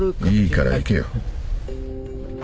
いいから行けよ。